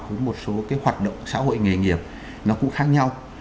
cũng một số cái hoạt động xã hội nghề nghiệp nó cũng khác nhau